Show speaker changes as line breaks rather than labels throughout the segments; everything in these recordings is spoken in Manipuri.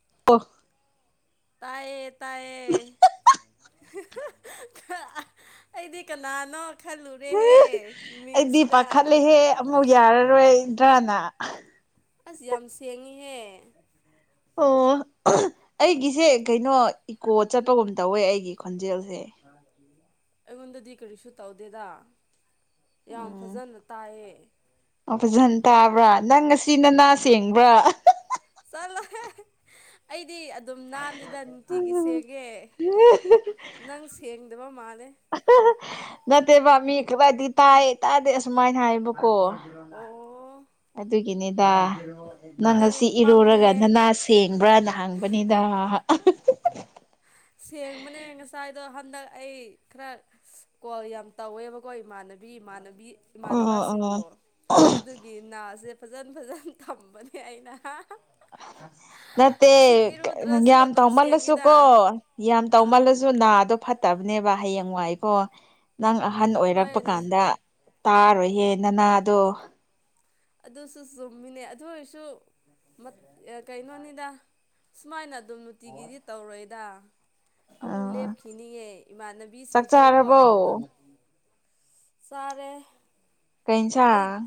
[unintelligible]
ꯇꯥꯌꯦ ꯇꯥꯌꯦ ꯑꯩꯗꯤ ꯀꯅꯥꯅꯣ ꯈꯜꯂꯨꯔꯦꯍꯦ
ꯑꯩꯗꯤ
ꯃꯤꯡꯁꯤꯗ
ꯄꯥꯈꯠꯂꯦꯍꯦ ꯑꯃꯨꯛ ꯌꯥꯔꯔꯣꯏꯗ꯭ꯔꯥꯅ
ꯑꯁ ꯌꯥꯝ ꯁꯦꯡꯉꯤꯍꯦ
ꯑꯣ ꯑꯩꯒꯤꯁꯦ ꯀꯩꯅꯣ ꯏꯀꯣ ꯆꯠꯄꯒꯨꯝ ꯇꯧꯋꯦ ꯑꯩꯒꯤ ꯈꯣꯟꯖꯦꯜꯁꯦ
ꯑꯩꯉꯣꯟꯗꯗꯤ ꯀꯔꯤꯁꯨ ꯇꯧꯗꯦꯗ ꯌꯥꯝ
ꯎꯝ
ꯐꯖꯅ ꯇꯥꯏꯌꯦ
ꯑꯣ ꯐꯖꯅ ꯇꯥꯕ꯭ꯔꯥ ꯅꯪ ꯉꯁꯤ ꯅꯅꯥ ꯁꯦꯡꯕ꯭ꯔꯥ
ꯆꯠꯂꯣꯍꯦ ꯑꯩꯗꯤ ꯑꯗꯨꯝ ꯅꯥꯜꯂꯤꯗ ꯅꯨꯡꯇꯤꯒꯤ ꯁꯦꯡꯉꯦ ꯅꯪ ꯁꯦꯡꯗꯕ ꯃꯥꯜꯂꯦ
ꯅꯠꯇꯦꯕꯥꯃꯤ ꯈꯔꯗꯤ ꯇꯥꯏ ꯇꯥꯗꯦ ꯑꯁꯨꯃꯥꯏꯅ ꯍꯥꯏꯌꯦꯕꯀꯣ
ꯑꯣ
ꯑꯗꯨꯒꯤꯅꯤꯗ ꯅꯪ ꯉꯁꯤ ꯏꯔꯨꯔꯒ ꯅꯅꯥ ꯁꯦꯡꯕ꯭ꯔꯅ ꯍꯪꯕꯅꯤꯗ
ꯁꯦꯡꯕꯅꯦ ꯉꯁꯥꯏꯗꯣ ꯍꯟꯗꯛ ꯑꯩ ꯈꯔ ꯀꯣꯜ ꯌꯥꯝ ꯇꯧꯋꯦꯕꯀꯣ ꯏꯃꯥꯟꯅꯕꯤ ꯏꯃꯥꯟꯅꯕꯤ
ꯑꯣ ꯑꯣ
ꯏꯃꯥꯟꯅꯕꯁꯤꯡꯕꯨ ꯑꯗꯨꯒꯤ ꯒꯤ ꯅꯥꯁꯦ ꯐꯖꯟ ꯐꯖꯅ ꯊꯝꯕꯅꯦ ꯑꯩꯅ
[unintelligible] ꯅꯠꯇꯦ
ꯏꯁꯤꯡ ꯏꯔꯨꯗ꯭ꯔꯁꯨ
ꯌꯥꯝ
ꯑꯗꯨꯝ
ꯇꯧꯃꯜꯂꯁꯨ
ꯁꯦꯡꯉꯤꯗ
ꯀꯣ ꯌꯥꯝ
ꯑꯥ
ꯇꯧꯃꯜꯂꯁꯨ ꯅꯥꯗꯣ ꯐꯠ ꯐꯠꯇꯕꯅꯦꯕ ꯍꯌꯦꯡ ꯋꯥꯏꯀꯣ ꯅꯪ ꯑꯍꯟ ꯑꯣꯏꯔꯛꯄ
ꯍꯣꯏꯅꯦ
ꯀꯥꯟꯗ ꯇꯥꯔꯣꯏꯌꯦ ꯅꯅꯥꯗꯣ
ꯑꯗꯨꯁꯨ ꯆꯨꯝꯃꯤꯅꯦ ꯑꯗꯨ ꯑꯣꯏꯔꯁꯨ ꯃꯠ ꯀꯩꯅꯣꯅꯤꯗ ꯁꯨꯃꯥꯏꯅ ꯑꯗꯨꯝ ꯅꯨꯡꯇꯤꯒꯤꯗꯤ ꯇꯧꯔꯣꯏꯗ ꯑꯃꯨꯛ
ꯑꯥ
ꯂꯦꯞꯈꯤꯅꯤꯉꯦ
ꯆꯥꯛ
ꯏꯃꯥꯟꯅꯕꯤꯁꯤꯡꯁꯨ ꯀꯣ
ꯆꯥꯔꯕꯣ
ꯆꯥꯔꯦ
ꯀꯩ
ꯑꯩ
ꯍꯦꯟꯁꯥꯡ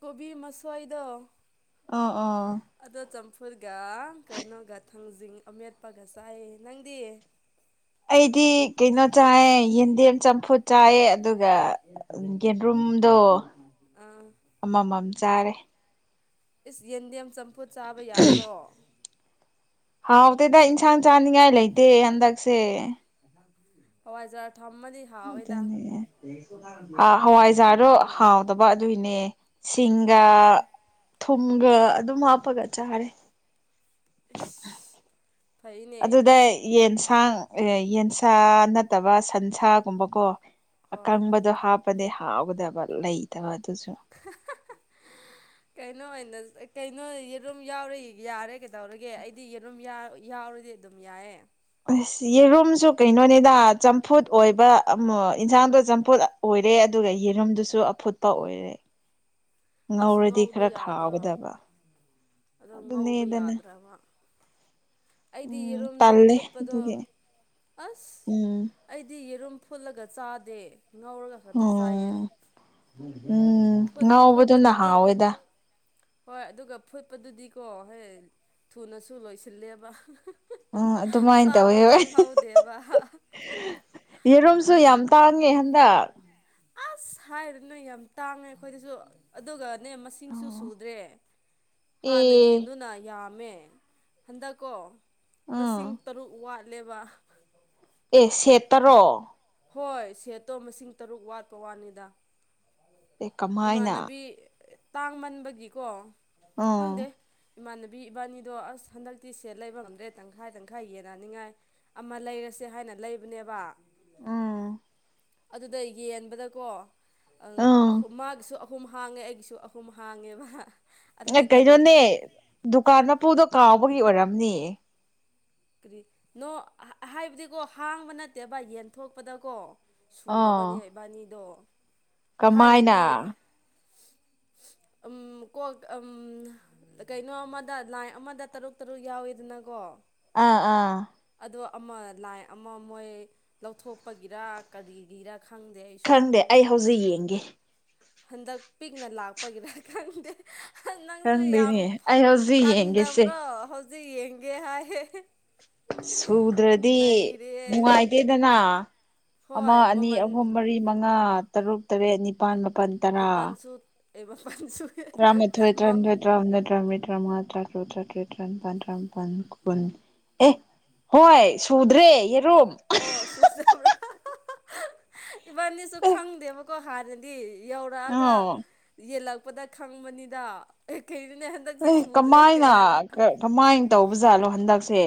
ꯀꯣꯕꯤ ꯃꯁꯣꯏꯗꯣ
ꯑꯣ ꯑꯣ
ꯑꯗꯣ ꯆꯝꯐꯨꯨꯠꯒ ꯀꯩꯅꯣꯒ ꯊꯥꯡꯖꯤꯡ ꯑꯃꯦꯠꯄꯒ ꯆꯥꯏꯌꯦ ꯅꯪꯗꯤ
ꯑꯩꯗꯤ ꯀꯩꯅꯣ ꯆꯥꯏ ꯌꯦꯟꯗꯦꯝ ꯆꯝꯐꯨꯠ ꯆꯥꯏ ꯑꯗꯨꯒ ꯌꯦꯟꯔꯨꯝꯗꯣ
ꯑꯥ
ꯑꯃꯃꯝ ꯆꯥꯔꯦ
ꯏꯁ ꯌꯦꯟꯗꯦꯝ ꯆꯝꯐꯨꯠ ꯆꯥꯕ ꯌꯥꯕ꯭ꯔꯣ
ꯍꯥꯎꯇꯦꯗ ꯏꯟꯁꯥꯡ ꯆꯥꯅꯤꯡꯉꯥꯏ ꯂꯩꯇꯦ ꯍꯟꯗꯛꯁꯦ [unintelligible]
ꯍꯋꯥꯏꯖꯔ ꯊꯝꯃꯅꯤ
ꯑꯗꯨꯅꯦ ꯍꯋꯥꯏꯖꯥꯗꯣ ꯍꯥꯎꯗꯕ ꯑꯗꯨꯏꯅꯦ ꯁꯤꯡꯒ
ꯑꯣ
ꯊꯨꯝꯒ ꯑꯗꯨꯝ ꯍꯥꯞꯄꯒ ꯆꯥꯔꯦ
ꯑꯦꯁ
ꯑꯗꯨꯗ ꯌꯦꯟꯁꯥꯡ ꯌꯦꯟꯁꯥ ꯅꯠꯇꯕ ꯁꯟꯁꯥꯒꯨꯝꯕꯀꯣ
ꯍꯣꯏ
ꯑꯀꯪꯕꯗꯣ ꯍꯥꯞꯄꯅꯦ ꯍꯥꯎꯒꯗꯕ ꯂꯩꯇꯕ ꯑꯗꯨꯁꯨ
ꯀꯩꯅꯣ ꯑꯣꯏꯅ ꯀꯩꯅꯣ ꯌꯦꯔꯨꯝ ꯌꯥꯎꯔ ꯌꯥꯔꯦ ꯀꯩꯗꯧꯔꯒꯦ ꯑꯩꯗꯤ ꯌꯦꯔꯨꯝ ꯌꯥꯎꯔꯗꯤ ꯑꯗꯨꯝ ꯌꯥꯏꯌꯦ
ꯑꯁ ꯌꯦꯔꯨꯝꯁꯨ ꯀꯩꯅꯣꯅꯤꯗ ꯆꯝꯐꯨꯠ ꯑꯣꯏꯕ ꯑꯃ ꯌꯦꯟꯁꯥꯡꯗꯣ ꯆꯝꯐꯨꯠ ꯑꯣꯏꯔꯦ ꯑꯗꯨꯒ ꯌꯦꯔꯝꯗꯨꯁꯨ ꯑꯐꯨꯠꯄ ꯑꯣꯏꯔꯦ
ꯑꯁ
ꯉꯧꯔꯗꯤ
ꯉꯧꯕ
ꯈꯔ
ꯌꯥꯗ꯭ꯔꯣ
ꯈꯥꯎꯒꯗꯕ
ꯑꯗꯣ ꯉꯧꯕ
ꯑꯗꯨꯅꯦꯗꯅ
ꯌꯥꯗ꯭ꯔꯕ ꯑꯩꯗꯤ
ꯎꯝ
ꯌꯦꯔꯨꯝꯗꯣ
ꯇꯜꯂꯦ
ꯐꯨꯠꯄꯗꯣ
ꯑꯗꯨꯒꯤ
ꯑꯁ
ꯎꯝ
ꯑꯩꯗꯤ ꯌꯦꯔꯨꯝ ꯐꯨꯠꯂꯒ ꯆꯥꯗꯦ ꯉꯧꯔꯒ ꯈꯛꯇ ꯆꯥꯏꯌꯦ
ꯑꯣ ꯎꯝ
ꯐꯨꯠ
ꯉꯥꯎꯕꯗꯨꯅ
ꯐꯨꯠꯄꯗꯨꯗꯤ
ꯍꯥꯎꯋꯦꯗ
ꯍꯣꯏ ꯑꯗꯨꯒ ꯐꯨꯠꯄꯗꯨꯗꯤꯀꯣ ꯍꯣꯏ ꯊꯨꯅꯁꯨ ꯂꯣꯏꯁꯤꯜꯂꯦꯕ
ꯎꯝ ꯑꯗꯨꯃꯥꯏꯅ ꯇꯧꯋꯦ
ꯆꯥꯕ
ꯍꯣꯏ
ꯈꯪꯍꯧꯗꯦꯕ
ꯌꯦꯔꯨꯝꯁꯨ ꯌꯥꯝ ꯇꯥꯡꯉꯦ ꯍꯟꯗꯛ
ꯑꯁ ꯍꯥꯏꯔꯨ ꯅꯣꯏ ꯌꯥꯝ ꯇꯥꯡꯉꯦ ꯑꯩꯈꯣꯏꯗꯁꯨ ꯑꯗꯨꯒꯅꯦ
ꯑꯦ
ꯃꯁꯤꯡꯁꯨ ꯁꯨꯗ꯭ꯔꯦ
[unintelligible]
ꯍꯥꯟꯅꯒꯤꯗꯨꯅ ꯌꯥꯝꯃꯦ ꯍꯟꯗꯛꯀꯣ ꯃꯁꯤꯡ
ꯎꯝ
ꯇꯔꯨꯛ ꯋꯥꯠꯂꯦꯕ
ꯑꯦ ꯁꯦꯠ ꯇꯔꯣ
ꯍꯣꯏ ꯁꯦꯠꯇꯣ ꯃꯁꯤꯡ ꯇꯔꯨꯛ ꯋꯥꯠꯄ ꯋꯥꯅꯤꯗ
ꯑꯦ ꯀꯃꯥꯏꯅ
ꯏꯃꯥꯟꯅꯕꯤ ꯇꯥꯡ ꯃꯟꯕꯒꯤꯀꯣ
ꯎꯝ
ꯈꯪꯗꯦ ꯏꯃꯥꯟꯅꯕꯤ ꯏꯕꯥꯅꯤꯗꯣ ꯑꯁ ꯍꯟꯗꯛꯇꯤ ꯁꯦꯠ ꯂꯩꯕ ꯉꯝꯗ꯭ꯔꯦ ꯇꯪꯈꯥꯏ ꯇꯪꯈꯥꯏ ꯌꯦꯟꯟꯅꯅꯤꯡꯉꯥꯏ ꯑꯃ ꯂꯩꯔꯁꯦ ꯍꯥꯏꯅ ꯂꯩꯕꯅꯦꯕ
ꯎ [inaudible]
ꯑꯗꯨꯗ ꯌꯦꯟꯕꯗꯀꯣ
ꯎꯝ
ꯃꯥꯒꯤꯁꯨ ꯑꯍꯨꯝ ꯍꯥꯡꯉꯦ ꯑꯩꯒꯤꯁꯨ ꯑꯍꯨꯝ ꯍꯥꯡꯉꯦꯕ
ꯑꯦ
ꯑꯗꯨꯗꯤ ꯇꯔꯨꯛ
ꯀꯩꯅꯣꯅꯦ ꯗꯨꯀꯥꯟ ꯃꯄꯨꯗꯣ ꯀꯥꯎꯕꯒꯤ ꯑꯣꯏꯔꯝꯅꯤ
ꯀꯔꯤ ꯅꯣ ꯍꯥꯏꯕꯗꯤꯀꯣ ꯍꯥꯡꯕ ꯅꯠꯇꯦꯕ ꯌꯦꯟꯊꯣꯛꯄꯗꯀꯣ ꯁꯨꯗꯕꯅꯦ
ꯑꯥ
ꯏꯕꯥꯅꯤꯗꯣ
ꯀꯃꯥꯏꯅ
ꯊꯥꯏꯅꯗꯤ
[unintelligible]
ꯎꯝ ꯀꯣ ꯎꯝ ꯀꯩꯅꯣ ꯑꯃꯗ ꯂꯥꯏ ꯑꯃꯗ ꯇꯔꯨꯛ ꯇꯔꯨꯛ ꯌꯥꯎꯋꯤꯗꯅꯀꯣ
ꯑꯥ ꯑꯥ
ꯑꯗꯣ ꯑꯃ ꯂꯥꯏ ꯑꯃ ꯃꯣꯏ ꯂꯧꯊꯣꯛꯄꯒꯤꯔꯥ ꯀꯔꯤꯒꯤꯔꯥ ꯈꯪꯗꯦ ꯑꯩꯁꯨ
ꯈꯪꯗꯦ ꯑꯩ ꯍꯧꯖꯤꯛ ꯌꯦꯡꯒꯦ
ꯍꯟꯗꯛ ꯄꯤꯛꯅ ꯂꯥꯛꯄꯒꯤꯔ ꯈꯪꯗꯦ ꯅꯪꯁꯨ ꯌꯥꯝ
ꯈꯪꯗꯦꯅꯦ ꯑꯩ ꯍꯧꯖꯤꯛ ꯌꯦꯡꯒꯦꯁꯦ
ꯇꯟꯗꯕ꯭ꯔꯣ ꯍꯧꯖꯤꯛ ꯌꯦꯡꯒꯦ ꯍꯥꯏ
ꯁꯨꯗ꯭ꯔꯗꯤ ꯅꯨꯡꯉꯥꯏꯇꯦꯗꯅ ꯑꯃ
ꯍꯣꯏ
ꯑꯅꯤ
ꯃꯃꯜ
ꯑꯍꯨꯝ ꯃꯔꯤ ꯃꯉꯥ ꯇꯔꯨꯛ ꯇꯔꯦꯠ ꯅꯤꯄꯥꯜ ꯃꯥꯄꯜ
ꯃꯄꯥꯟꯁꯨ ꯑꯩ ꯃꯄꯥꯟꯁꯨ
ꯝ꯭ꯔ [inaudible] ꯑꯦ ꯍꯣꯏ ꯁꯨꯗ꯭ꯔꯦ ꯌꯦꯔꯨꯝ
ꯑꯣ ꯁꯨꯗꯕ꯭ꯔꯥ ꯏꯕꯥꯅꯤꯁꯨ
ꯑꯦ
ꯈꯪꯗꯦꯕ ꯀꯣ ꯍꯥꯟꯅꯗꯤ ꯌꯧꯔꯛꯑꯒ
ꯑꯣ
ꯌꯦꯜꯂꯛꯄꯗ ꯈꯪꯕꯅꯤꯗ ꯀꯩꯅꯣꯅꯦ ꯍꯟꯗꯛꯁꯦ
ꯑꯦ
ꯁꯨꯗ꯭ꯔꯦꯅꯦ
ꯀꯃꯥꯏꯅ
ꯍꯥꯏꯕ
ꯀꯃꯥꯏꯅ ꯇꯧꯕꯖꯥꯠꯂꯣ ꯍꯟꯗꯛꯁꯦ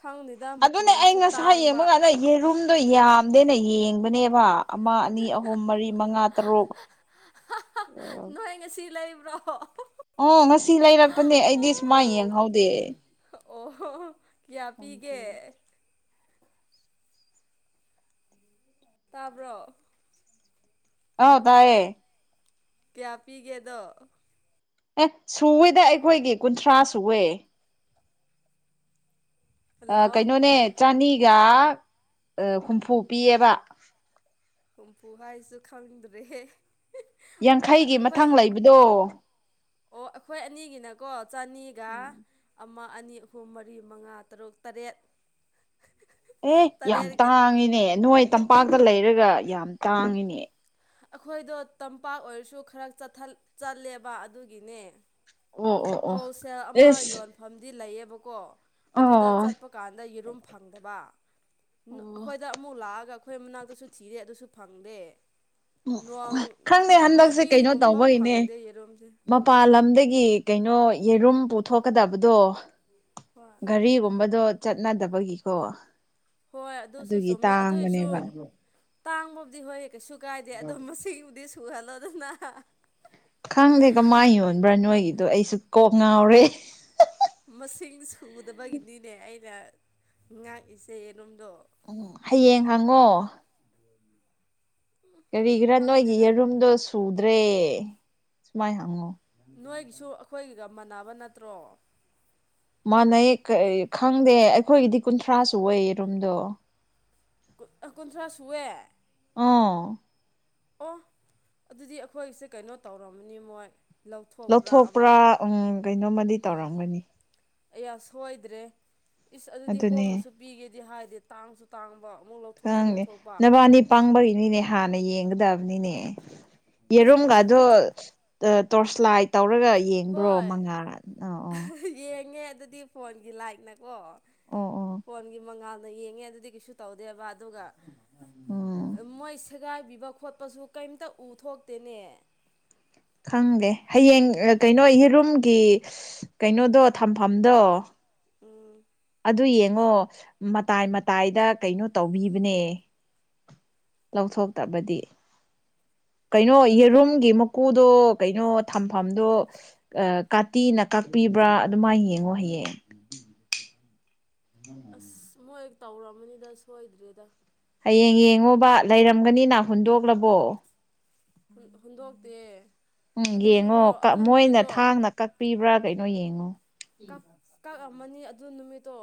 ꯈꯪꯗꯦꯗ
ꯑꯗꯨꯅꯦ ꯑꯩ
ꯃꯃꯜꯁꯨ
ꯉꯁꯥꯏ
ꯇꯥꯡꯕ
ꯌꯦꯡꯕ ꯀꯥꯟꯗ ꯌꯦꯔꯨꯝꯗꯣ ꯌꯥꯝꯗꯦꯅ ꯌꯦꯡꯕꯅꯦꯕ ꯑꯃ ꯑꯅꯤ ꯑꯍꯨꯝ ꯃꯔꯤ ꯃꯉꯥ ꯇꯔꯨꯛ
ꯅꯣꯏ ꯉꯁꯤ ꯂꯩꯕ꯭ꯔꯣ
ꯑꯣ ꯉꯁꯤ ꯂꯩꯔꯛꯄꯅꯦ ꯑꯩꯗꯤ ꯁꯨꯃꯥꯏ ꯌꯦꯡꯍꯧꯗꯦ
ꯑꯣꯍꯣ ꯀꯌꯥ ꯄꯤꯒꯦ ꯇꯥꯕ꯭ꯔꯣ
ꯑꯥꯎ ꯇꯌꯦ
ꯀꯌꯥ ꯄꯤꯒꯦ ꯑꯗꯣ
ꯑꯦ ꯁꯨꯋꯦꯗ ꯑꯩꯈꯣꯏꯒꯤ ꯀꯨꯟꯊ꯭ꯔꯥ ꯁꯨꯋꯦ
ꯍꯜꯂꯣ
ꯀꯩꯅꯣꯅꯦ ꯆꯅꯤꯒ ꯍꯨꯝꯐꯨ ꯄꯤꯌꯦꯕ
ꯍꯨꯝꯐꯨ ꯍꯥꯏꯁꯨ ꯈꯪꯗ꯭ꯔꯦ
ꯌꯥꯡꯈꯩꯒꯤ
ꯑꯩꯈꯣꯏ
ꯃꯊꯪ ꯂꯩꯕꯗꯣ
ꯑꯣ ꯑꯩꯈꯣꯏ ꯑꯅꯤꯒꯤꯅꯀꯣ ꯆꯅꯤꯒ
ꯎꯝ
ꯑꯃ ꯑꯅꯤ ꯑꯍꯨꯝ ꯃꯔꯤ ꯃꯉꯥ ꯇꯔꯨꯛ ꯇꯔꯦꯠ
ꯑꯦ ꯌꯥꯝ
ꯇꯔꯦꯠꯒ
ꯇꯥꯡꯏꯤꯅꯦ ꯅꯣꯏ ꯇꯝꯄꯥꯛꯇ ꯂꯩꯔꯒ ꯌꯥꯝ ꯇꯥꯡꯏꯤꯅꯦ
ꯑꯩꯈꯣꯏꯗꯣ ꯇꯝꯄꯥꯛ ꯑꯣꯏꯔꯁꯨ ꯈꯔ ꯆꯠꯂꯦꯕ ꯑꯗꯨꯒꯤꯅꯦ
ꯑꯣ ꯑꯣ ꯑꯣ
ꯐꯧꯁꯦꯜ ꯑꯃ
ꯑꯦꯁ
ꯌꯣꯟꯜꯂꯤ ꯃꯐꯝꯗꯤ ꯂꯩꯌꯦꯕꯀꯣ ꯑꯗꯨꯗ
ꯑꯣ
ꯆꯠꯄ ꯀꯥꯟꯗ ꯌꯦꯔꯨꯝ ꯐꯪꯗꯕ ꯑꯩꯈꯣꯏꯗ ꯑꯃꯨꯛ ꯂꯥꯛꯑꯒ ꯑꯩꯈꯣꯏ ꯃꯅꯥꯛꯇꯁꯨ ꯊꯤꯔꯦ ꯑꯗꯨꯁꯨ ꯐꯪꯗꯦ ꯅꯋꯥꯡ
ꯈꯪꯗꯦ
ꯑꯍꯨꯝ
ꯍꯟꯗꯛꯁꯦ ꯀꯩꯅꯣ
ꯃꯔꯤꯒꯨꯝꯕ
ꯇꯧꯕꯒꯤꯅꯦ
ꯐꯪꯗꯦ ꯌꯦꯔꯣꯝꯁꯦ
ꯃꯄꯥꯟ ꯂꯝꯗꯒꯤ ꯀꯩꯅꯣ ꯌꯦꯔꯨꯝ ꯄꯨꯊꯣꯛꯀꯗꯕꯗꯣ
ꯍꯣꯏ
ꯘꯔꯤꯒꯨꯝꯕꯗꯣ ꯆꯠꯅꯗꯕꯒꯤꯀꯣ
ꯍꯣꯏ ꯑꯗꯨꯁꯨ
ꯑꯗꯨꯒꯤ
ꯆꯨꯝꯃꯦ ꯑꯗꯨꯏꯁꯨ
ꯇꯥꯡꯕꯅꯦꯕ
ꯇꯥꯡꯕꯕꯨꯗꯤ ꯍꯣꯏ ꯀꯩꯁꯨ ꯀꯥꯏꯗꯦ ꯑꯗꯣ ꯃꯁꯤꯡꯕꯨꯗꯤ ꯁꯨꯍꯜꯂꯣꯗꯅ
ꯈꯪꯗꯦꯒ ꯃꯥ ꯌꯣꯟꯕ꯭ꯔꯥ ꯅꯣꯏꯒꯤꯗꯣ ꯑꯩꯁꯨ ꯀꯣꯛ ꯉꯥꯎꯔꯦ
ꯃꯁꯤꯡ ꯁꯨꯗꯕꯒꯤꯅꯤꯅꯦ ꯑꯩꯅ ꯉꯥꯛꯏꯆꯦꯅꯣꯝꯗꯣ
ꯎꯝ ꯍꯌꯦꯡ ꯍꯪꯉꯣ ꯀꯔꯤ ꯈꯔꯥ ꯅꯣꯏꯒꯤ
ꯈꯪꯗꯦꯗ
ꯌꯦꯔꯨꯝꯗꯣ ꯁꯨꯗ꯭ꯔꯦ ꯁꯨꯃꯥꯏ ꯍꯪꯉꯣ
ꯅꯣꯏꯒꯤꯁꯨ ꯑꯩꯈꯣꯏꯒꯤꯒ ꯃꯥꯟꯅꯕ ꯅꯠꯇ꯭ꯔꯣ
ꯃꯥꯟꯅꯩ ꯈꯪꯗꯦ ꯑꯩꯈꯣꯏꯒꯤꯗꯤ ꯀꯨꯟꯊ꯭ꯔꯥꯁꯨ ꯑꯣꯏꯌꯦ ꯔꯨꯝꯗꯣ
ꯀꯨꯟꯊ꯭ꯔꯥ ꯁꯨꯋꯦ
ꯑꯣ
ꯑꯣ ꯑꯗꯨꯗꯤ ꯑꯩꯈꯣꯏꯁꯦ ꯀꯩꯅꯣ ꯇꯧꯔꯝꯃꯅꯤ ꯃꯣꯏ
ꯂꯧꯊꯣꯛꯄ꯭ꯔꯥ ꯎ ꯀꯩꯅꯣꯝꯃꯗꯤ ꯇꯧꯔꯝꯒꯅꯤ
ꯑꯩꯌꯥ ꯁꯣꯏꯗ꯭ꯔꯦ ꯏꯁ ꯑꯗꯨꯗꯤ
ꯑꯗꯨꯅꯦ
ꯍꯣꯡꯕꯁꯨ ꯄꯤꯒꯦꯗꯤ ꯍꯥꯏꯗꯤ ꯇꯥꯡꯁꯨ ꯇꯥꯡꯕ ꯑꯃꯨꯛ ꯂꯧꯊꯣꯛꯁꯨ
ꯈꯪꯗꯦ
ꯂꯧꯊꯣꯛꯄ
ꯅꯕꯥꯅꯤ ꯄꯥꯡꯕꯒꯤꯅꯤꯅꯦ ꯍꯥꯟꯅ ꯌꯦꯡꯒꯗꯕꯅꯤꯅꯦ
ꯑꯁ
ꯌꯦꯔꯨꯝꯒꯗꯣ
ꯂꯧꯊꯣꯛ
ꯇꯣꯔꯁꯂꯥꯏ ꯇꯧꯔꯒ ꯌꯦꯡꯕ꯭ꯔꯣ
ꯍꯣꯏ
ꯃꯉꯥꯜ ꯑꯥ ꯑꯣ
ꯌꯦꯡꯉꯦ ꯑꯗꯨꯗꯤ ꯐꯣꯟꯒꯤ ꯂꯥꯏꯛꯅꯀꯣ
ꯑꯣ ꯑꯣ
ꯐꯣꯟꯒꯤ ꯃꯉꯥꯜꯅ ꯌꯦꯡꯉꯦ ꯑꯗꯨꯗꯤ ꯀꯩꯁꯨ ꯇꯧꯗꯦꯕ ꯑꯗꯨꯒ
ꯎꯝ
ꯃꯣꯏ ꯁꯦꯒꯥꯏꯕꯤꯕ ꯈꯣꯠꯄꯁꯨ ꯀꯩꯝꯇ ꯎꯊꯣꯛꯇꯦꯅꯦ
ꯈꯪꯗꯦ ꯍꯌꯦꯡ ꯀꯩꯅꯣ ꯌꯦꯔꯨꯝꯒꯤ ꯀꯩꯅꯣꯗꯣ ꯊꯝꯐꯝꯗꯣ
ꯎꯝ
ꯑꯗꯨ ꯌꯦꯡꯉꯣ ꯃꯇꯥꯏ ꯃꯇꯥꯏꯗ ꯀꯩꯅꯣ ꯇꯧꯕꯤꯕꯅꯦ ꯂꯧꯊꯣꯛꯇꯕꯗꯤ ꯀꯩꯅꯣ ꯌꯦꯔꯨꯝꯒꯤ ꯃꯨ ꯎꯀꯨꯗꯣ ꯀꯩꯅꯣ ꯊꯝꯐꯝꯗꯣ ꯀꯥꯇꯤꯅ ꯀꯛꯄꯤꯕ꯭ꯔꯥ ꯑꯗꯨꯃꯥꯏꯅ ꯌꯦꯡꯉꯣ ꯍꯌꯦꯡ
ꯑꯁ ꯃꯣꯏꯦꯛ ꯇꯧꯔꯃꯅꯤꯗ ꯁꯣꯏꯗ꯭ꯔꯦꯗ
ꯍꯌꯦꯡ ꯌꯦꯡꯉꯣꯕ ꯂꯩꯔꯝꯒꯅꯤꯅ ꯍꯨꯟꯗꯣꯛꯂꯕꯣ
ꯍꯨꯟꯗꯣꯛꯇꯦ
ꯎꯝ ꯌꯦꯡꯉꯣ
ꯑꯗꯨꯁꯨꯀꯣ ꯑꯗꯨ
ꯃꯣꯏꯅ
ꯅꯨꯃꯤꯠꯇꯣ
ꯊꯥꯡꯅ ꯀꯛꯄꯤꯕ꯭ꯔꯥ ꯀꯩꯅꯣ ꯌꯦꯡꯉꯣ
ꯀꯛꯑꯝꯃꯅꯤ ꯑꯗꯨ ꯅꯨꯃꯤꯠꯇꯣ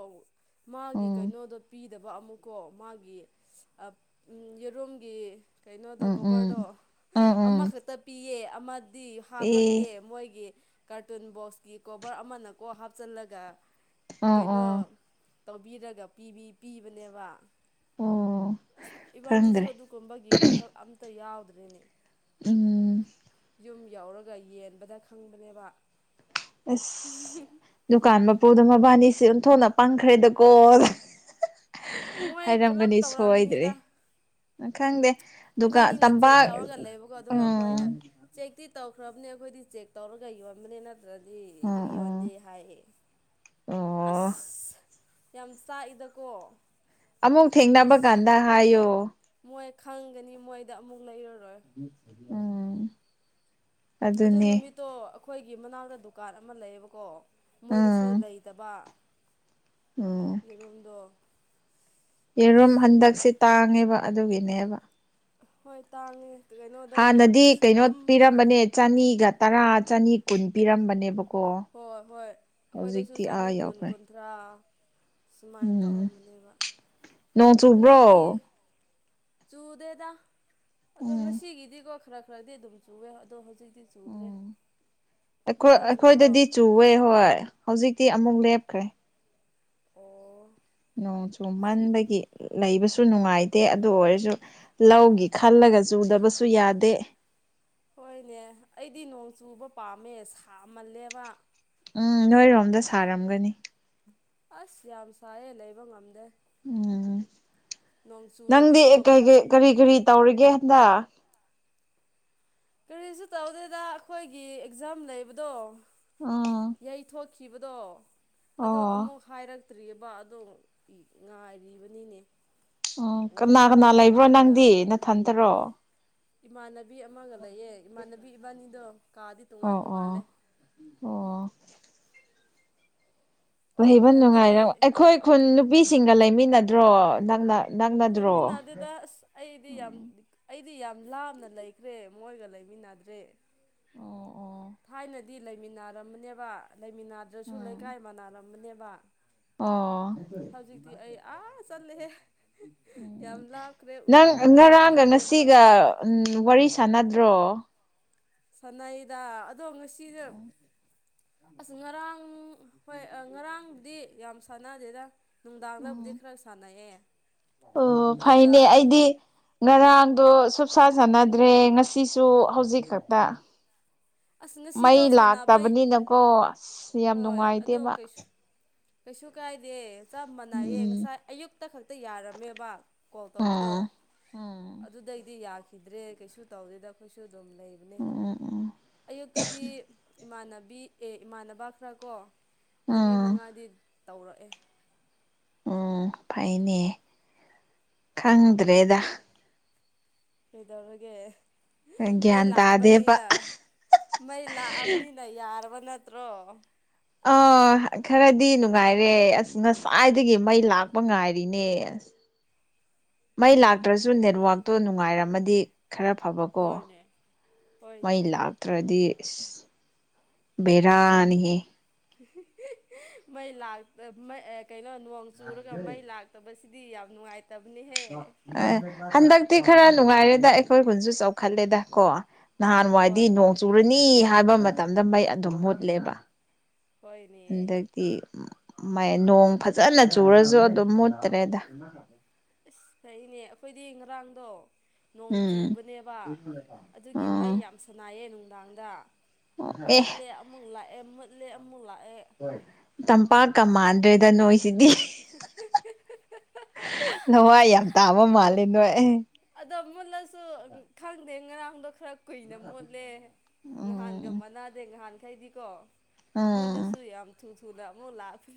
ꯃꯥꯒꯤ
ꯎꯝ
ꯀꯩꯅꯣꯗꯣ ꯄꯤꯗ ꯗꯕ ꯑꯃꯨꯛꯀꯣ ꯃꯥꯒꯤ ꯌꯦꯔꯨꯝꯒꯤ ꯀꯩꯅꯣꯗꯣ
ꯎꯝ
ꯀꯣꯕꯔꯗꯣ
ꯎꯝ ꯎꯝ ꯎꯝ
ꯑꯃꯈꯛꯇ ꯄꯤꯌꯦ ꯑꯃꯗꯤ
ꯑꯦ
ꯍꯥꯞꯂꯛꯇꯦ ꯃꯣꯏꯒꯤ ꯀꯥꯔꯇꯨꯟ ꯕꯣꯛꯁꯀꯤ ꯀꯣꯕꯔ ꯑꯃꯅ ꯀꯣ ꯍꯥꯞꯆꯤꯜꯂꯒ
ꯑꯣ ꯑꯣ
ꯀꯩꯅꯣ ꯇꯧꯕꯤꯔꯒ ꯄꯤ ꯄꯤꯕꯅꯦꯕ
ꯑꯣ
ꯑꯁ ꯏꯕꯥꯅꯤꯁꯨ
ꯈꯪꯗ꯭ꯔꯦ
ꯑꯗꯨꯒꯨꯝꯕꯒꯤ ꯋꯥꯈꯜ ꯑꯝꯇ ꯌꯥꯎꯗ꯭ꯔꯤꯅꯦ
ꯎꯝ
ꯌꯨꯝ ꯌꯥꯎꯔꯒ ꯌꯦꯟꯕꯗ ꯈꯪꯕꯅꯦꯕ
ꯁ ꯗꯨꯀꯥꯟ ꯃꯄꯨꯗ ꯃꯕꯥꯅꯤꯁꯦ ꯑꯣꯟꯊꯣꯛꯅ ꯄꯥꯡꯈ꯭ꯔꯦꯗꯀꯣ
ꯃꯣꯏ ꯄꯨꯂꯞ
ꯍꯥꯏꯔꯝꯒꯅꯤ ꯁꯣꯏꯗ꯭ꯔꯦ
ꯇꯧꯔꯝꯅꯤꯗ
ꯎ ꯈꯪꯗꯦ ꯗꯨꯀꯥꯟ
ꯏꯕꯥꯅꯤꯅ ꯆꯦꯛ
ꯇꯝꯄꯥꯛ
ꯇꯧꯔꯒ ꯂꯩꯕꯣ ꯑꯗꯨꯒ ꯑꯗꯨꯒ ꯃꯣꯏꯅ
ꯎꯝ
ꯆꯦꯛꯇꯤ ꯇꯧꯈ꯭ꯔꯕꯅꯤ ꯑꯩꯈꯣꯏꯗꯤ ꯆꯦꯛ ꯇꯧꯔꯒ ꯌꯣꯟꯕꯅꯤꯅ ꯑꯗꯨ꯭ꯔꯗꯤ ꯌꯣꯟꯗꯦ
ꯑꯣ ꯑꯣ
ꯍꯥꯏ
ꯑꯣ
ꯑꯁ ꯌꯥꯝ ꯆꯥꯛꯏꯗꯀꯣ
ꯑꯃꯨꯛ ꯊꯦꯡꯅꯕ
ꯑꯁ
ꯀꯥꯟꯗ ꯍꯥꯏꯌꯣ
ꯃꯣꯏ ꯈꯪꯒꯅꯤ ꯃꯣꯏꯗ ꯑꯃꯨꯛ ꯂꯩꯔꯔꯣꯏ
ꯎꯝ
ꯑꯗꯨ
ꯑꯗꯨꯅꯦ
ꯅꯨꯃꯤꯠꯇꯣ ꯑꯩꯈꯣꯏꯒꯤ ꯃꯅꯥꯎꯛꯇ ꯗꯨꯀꯥꯟ ꯑꯃ ꯂꯩꯌꯦꯕꯀꯣ ꯃꯣꯏꯗꯁꯨ
ꯎꯝ
ꯂꯩꯇꯕ
ꯎꯝ
ꯌꯦꯔꯨꯝꯝꯗꯣ
ꯌꯦꯔꯨꯝ ꯍꯟꯗꯛꯁꯦ ꯇꯥꯡꯉꯦꯕ ꯑꯗꯨꯒꯤꯅꯦꯕ
ꯍꯣꯏ ꯇꯥꯡꯉꯦ ꯀꯩꯅꯣꯗꯒꯁꯦ
ꯍꯥꯟꯅꯗꯤ ꯀꯩꯅꯣ
ꯑꯝ
ꯄꯤꯔꯝꯕꯅꯦ ꯆꯅꯤꯒ ꯇꯔꯥ ꯆꯅꯤ ꯀꯨꯟ ꯄꯤꯔꯝꯕꯅꯦꯕꯀꯣ
ꯍꯣꯏ ꯍꯣꯏ ꯑꯩꯈꯣꯏꯗꯁꯨ
ꯍꯧꯖꯤꯛꯇꯤ ꯑꯥ
ꯆꯅꯤ ꯀꯨꯟ
ꯌꯧꯈ꯭ꯔꯦ
ꯀꯨꯟ ꯠꯇꯔꯥ ꯁꯨꯃꯥꯏꯅ
ꯎꯝ
ꯇꯧꯔꯝꯕꯅꯦꯕ
ꯅꯣꯡ
ꯍꯟꯗꯛꯇꯤ
ꯆꯨꯕ꯭ꯔꯣ
ꯆꯨꯗꯦꯗ ꯑꯗꯣ
ꯎꯝ
ꯉꯁꯤꯒꯤꯗꯤꯀꯣ ꯈꯔ ꯈꯔꯗꯤ ꯑꯗꯨꯝ ꯆꯨꯋꯦ ꯑꯗꯣ ꯍꯧꯖꯤꯛꯇꯤ ꯆꯨꯗ꯭ꯔꯦ
ꯎꯝꯈꯣꯏ
ꯅꯣꯏꯗ ꯆꯨꯕ꯭ꯔꯣ
ꯑꯩꯈꯣꯏꯗꯗꯤ ꯆꯨꯋꯦ ꯍꯣꯏ ꯍꯧꯖꯤꯛꯇꯤ ꯑꯃꯨꯛ ꯂꯦꯞꯈ꯭ꯔꯦ
ꯑꯣ
ꯅꯣꯡ
ꯆꯨ
ꯆꯨꯃꯟꯕꯒꯤ ꯂꯩꯕꯁꯨ ꯅꯨꯡꯉꯥꯏꯇꯦ ꯑꯗꯨ ꯑꯣꯏꯔꯁꯨ ꯂꯧꯒꯤ ꯈꯜꯂꯒ ꯆꯨꯗꯕꯁꯨ ꯌꯥꯗꯦ
ꯍꯣꯏꯅꯦ ꯑꯩꯗꯤ ꯅꯣꯡ ꯆꯨꯕ ꯄꯥꯝꯃꯦ ꯁꯥꯝꯃꯜꯂꯦꯕ
ꯎꯝ ꯅꯣꯏꯔꯣꯝꯗ ꯁꯥꯔꯝꯒꯅꯤ
ꯑꯁ ꯌꯥꯝ ꯁꯥꯏꯌꯦ ꯂꯩꯕ ꯉꯝꯗꯦ
ꯎꯝ
ꯅꯣꯡ
ꯅꯪꯗꯤ
ꯆꯨꯔꯗꯤꯈꯣ ꯈꯔ
ꯀꯩꯀꯩ ꯀꯔꯤ ꯀꯔꯤ ꯇꯧꯔꯤꯒꯦ ꯍꯟꯗ
ꯀꯔꯤꯁꯨ ꯇꯧꯗꯦꯗ ꯑꯩꯈꯣꯏꯒꯤ ꯑꯦꯛꯖꯥꯝ ꯂꯩꯕꯗꯣ
ꯎꯝ
ꯌꯩꯊꯣꯛ ꯇꯈꯤꯕꯗꯣ ꯑꯗꯣ
ꯑꯣ
ꯑꯃꯨꯛ ꯍꯥꯏꯔꯛ ꯐꯠꯇ꯭ꯔꯤꯑꯕ ꯑꯗꯣ ꯉꯥꯏꯔꯤꯕꯅꯤꯅꯦ
ꯎꯝ ꯀꯅꯥ ꯀꯅꯥ
ꯋꯥꯔꯦꯗ
ꯂꯩꯕ꯭ꯔꯣ
ꯉꯥꯏꯕꯗ
ꯅꯪꯗꯤ ꯅꯊꯟꯇꯔꯣ
ꯏꯃꯥꯟꯅꯕꯤ ꯑꯃꯒ ꯂꯩꯌꯦ ꯏꯃꯥꯟꯅꯕꯤ ꯏꯕꯥꯅꯤꯗꯣ ꯀꯥꯗꯤ
ꯑꯣ
ꯇꯣꯉꯥꯟ
ꯑꯣ
ꯇꯣꯉꯥꯜꯂꯦ
ꯑꯣ ꯐꯍꯩꯕ
ꯏꯊꯟꯇꯗꯤ
ꯅꯨꯡꯉꯥꯏꯔ ꯑꯩꯈꯣꯏ ꯈꯨꯟ ꯅꯨꯄꯤꯁꯤꯡꯒ ꯂꯩꯃꯤꯟꯅꯗ꯭ꯔꯣ ꯅꯛꯅꯛ
ꯂꯩꯃꯤꯟꯅꯗꯨꯗ ꯑ ꯑꯩꯗꯤ ꯌꯥꯝ
ꯎꯝ
ꯑꯩꯗꯤ ꯌꯥꯝ ꯂꯥꯞꯅ ꯂꯩꯈ꯭ꯔꯦ ꯃꯣꯏꯒ ꯂꯩꯃꯤꯟꯅꯗ꯭ꯔꯦ
ꯑꯣ ꯑꯣ
ꯊꯥꯏꯅꯗꯤ ꯂꯩꯃꯤꯟꯅꯔꯝꯕꯅꯦꯕ
ꯑꯣ
ꯂꯩꯃꯤꯟꯅꯗ꯭ꯔꯁꯨ ꯂꯩꯀꯥꯏ ꯃꯅꯥꯅꯔꯝꯕꯅꯦꯕ
ꯑꯣ
ꯍꯧꯖꯤꯛꯇꯤ ꯑꯩ ꯑꯥ ꯆꯠꯂꯦꯍꯦ ꯌꯥꯝ
ꯎꯝ
ꯂꯥꯞꯈ꯭ꯔꯦ ꯎꯅꯈꯤꯗ꯭ꯔꯦ ꯃꯣꯏ
ꯎꯝ ꯋꯥꯔꯤ ꯁꯥꯟꯅꯗ꯭ꯔꯣ
ꯁꯥꯟꯅꯥꯩꯗ ꯑꯗꯣ ꯉꯁꯤꯁꯦ ꯑꯁ ꯉꯔꯥꯡ ꯍꯣꯏ ꯉꯔꯥꯡꯕꯨꯗꯤ ꯌꯥꯝ ꯁꯥꯟꯅꯗꯦꯗ ꯅꯨꯡꯗꯥꯥꯛꯂꯕꯨꯗꯤ ꯈꯔꯥ ꯁꯥꯟꯅꯌꯦ
ꯑꯣ ꯐꯥꯏꯅꯦ ꯑꯩꯗꯤ ꯉꯔꯥꯡꯗꯣ ꯁꯨꯞꯁꯥ ꯁꯥꯟꯅꯗ꯭ꯔꯦ ꯉꯁꯤꯁꯨ ꯍꯧꯖꯤꯛ ꯈꯛꯇ
ꯑꯁ ꯉꯁꯤꯗꯣ
ꯃꯩ
ꯁꯥꯟꯅꯕ
ꯂꯥꯛꯇꯕꯅꯤꯅꯀꯣ ꯑꯁ ꯌꯥꯝ
ꯍꯣꯏ ꯑꯗꯣ
ꯅꯨꯡꯉꯥꯏꯇꯦꯕ
ꯀꯩꯁꯨ ꯀꯩꯁꯨ ꯀꯥꯏꯗꯦ ꯆꯞ ꯃꯥꯟꯅꯩꯌꯦ
ꯎꯝ
ꯉꯁꯥꯏ ꯑꯌꯨꯛ ꯍꯇ ꯈꯛꯇ ꯌꯥꯔꯝꯃꯦꯕ ꯀꯣꯜ ꯇꯧꯕꯗꯣ
ꯑꯥ ꯎꯝ
ꯑꯗꯨꯗꯩꯗꯤ ꯌꯥꯈꯤꯗ꯭ꯔꯦ ꯀꯩꯁꯨ ꯇꯧꯗꯦꯗ ꯑꯩꯈꯣꯏꯁꯨ ꯑꯗꯨꯝ ꯂꯩꯕꯅꯦ
ꯎꯝ ꯎꯝ
ꯑꯌꯨꯛꯇꯗꯤ ꯏꯃꯥꯟꯅꯕꯤ ꯑꯦ ꯏꯃꯥꯟꯅꯕ ꯈ꯭ꯔꯥ ꯀꯣ ꯃꯔꯤ
ꯎꯝ
ꯃꯉꯥꯗꯤ ꯇꯧꯔꯛꯑꯦ
ꯎꯝ ꯐꯩꯅꯦ
ꯎꯝ
ꯈꯪꯗ꯭ꯔꯦꯗ
ꯀꯩꯗꯧꯔꯒꯦ ꯃꯩ
ꯒ꯭ꯌꯥꯟ ꯇꯥꯗꯦꯕ
ꯂꯥꯛꯑꯕꯅꯤꯅ ꯃꯩ ꯂꯥꯛꯑꯕꯅꯤ ꯅ ꯌꯥꯔꯕꯥ ꯅꯠꯇ꯭ꯔꯣ
ꯑꯥ ꯈꯔꯗꯤ ꯅꯨꯡꯉꯥꯏꯔꯦ ꯑꯁ ꯉꯁꯥꯏꯗꯒꯤ ꯃꯩ ꯂꯥꯛꯄ ꯉꯥꯏꯔꯤꯅꯦ ꯑꯁ ꯃꯩ ꯂꯥꯛꯇ꯭ꯔꯁꯨ ꯅꯦꯠꯋꯥꯛꯇꯣ ꯅꯨꯡꯉꯥꯏꯔꯝꯃꯗꯤ ꯈꯔ ꯐꯕꯀꯣ
ꯍꯣꯏꯅꯦ
ꯃꯩ
ꯍꯣꯏꯅꯦ
ꯂꯥꯛ ꯇ꯭ꯔꯗꯤ ꯢꯁ ꯕꯦꯔꯥꯅꯤꯍꯦ
ꯃꯩ ꯂꯥꯛ ꯑ ꯀꯩꯅꯣ ꯅꯣꯡ ꯆꯨꯔꯒ ꯃꯩ ꯂꯥꯛ ꯇꯕꯁꯤꯗꯤ ꯌꯥꯝ ꯅꯨꯡꯉꯥꯏꯇꯕꯅꯤꯍꯦ
ꯑꯦ ꯍꯟꯗꯛꯇꯤ ꯈꯔ ꯅꯨꯡꯉꯥꯏꯔꯦꯗ ꯑꯩꯈꯣꯏ ꯈꯨꯟꯁꯨ ꯆꯥꯎꯈꯠꯂꯦꯗ ꯀꯣ ꯅꯍꯥꯟꯋꯥꯏꯗꯤ
ꯍꯣꯏ ꯍꯣꯏ
ꯅꯣꯡ ꯆꯨꯔꯅꯤ ꯍꯥꯏꯕ ꯃꯇꯝꯗ ꯃꯩ ꯑꯗꯨꯝ ꯃꯨꯠꯂꯦꯕ
ꯍꯣꯏꯅꯦ
ꯍꯟꯗꯛ ꯇꯤ ꯃꯩ ꯅꯣꯡ ꯐꯖꯅ ꯆꯨꯔꯁꯨ ꯑꯗꯨꯝ ꯃꯨꯠꯇ꯭ꯔꯦꯗ
ꯑꯁ ꯐꯩꯅꯦ ꯑꯩꯈꯣꯏꯗꯤ ꯉꯔꯥꯡꯗꯣ ꯅꯣꯡ
ꯎꯝ
ꯆꯨꯕꯅꯦꯕ ꯑꯗꯨꯒꯤ ꯃꯩ
ꯑꯣ
ꯌꯥꯝ ꯁꯅꯥꯏꯌꯦ ꯅꯨꯡꯗꯥꯡꯗ
ꯑꯦ
ꯃꯨꯠꯂꯦ ꯑꯃꯨꯛ ꯂꯥꯛꯑꯦ ꯃꯨꯠꯂꯦ ꯑꯃꯨꯛ ꯂꯥꯛꯑꯦ
ꯇꯝꯄꯥꯛꯀ ꯃꯥꯟꯗ꯭ꯔꯦꯗ ꯅꯣꯏꯁꯤꯗꯤ ꯅꯋꯥꯏ ꯌꯥꯝ ꯇꯥꯕ ꯃꯥꯜꯂꯦ ꯅꯣꯏ ꯑꯦ
ꯑꯗꯣ ꯃꯨꯠꯂꯁꯨ ꯈꯪꯗꯦ ꯉꯔꯥꯡꯗꯣ ꯈꯔ ꯀꯨꯏꯅ ꯃꯨꯠꯂꯦ ꯉꯍꯥꯟꯒ
ꯎꯝ
ꯃꯥꯟꯅꯥꯗꯦ ꯉꯍꯥꯟꯈꯩꯗꯤꯀꯣ
ꯎꯝ
ꯃꯨꯜꯂꯁꯨ ꯌꯥꯝ ꯊꯨ ꯊꯨꯅ ꯑꯃꯨꯛ ꯂꯥꯛ